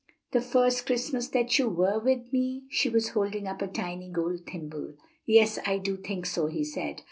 the first Christmas that you were with me." She was holding up a tiny gold thimble. "Yes, I think I do," he said.